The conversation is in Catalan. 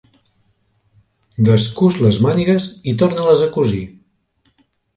Descús les mànigues i torna-les a cosir.